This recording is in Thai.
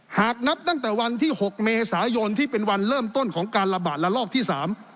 หากนับตั้งแต่วันที่หกเมษายนที่เป็นวันเริ่มต้นของการระบาดระลอกที่สาม